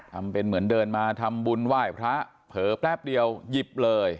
ทำเป็นเหมือนเดินมาทำบุญไหว้พระเผลอแป๊บเดียวหยิบเลย